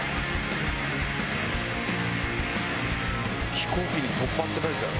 飛行機に「ＴＯＰＰＡ」って書いてある。